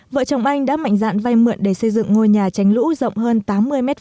vợ chồng anh đã mạnh dạn vay mượn để xây dựng ngôi nhà tránh lũ rộng hơn tám mươi m hai